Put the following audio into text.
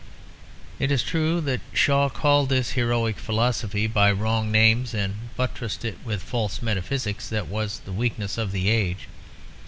It is true that Shaw called this heroic philosophy by wrong names and buttressed it with false metaphysics; that was the weakness of the age.